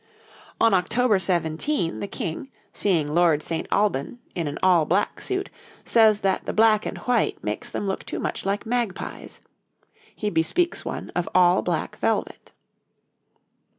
On October 17 the King, seeing Lord St. Alban in an all black suit, says that the black and white makes them look too much like magpies. He bespeaks one of all black velvet.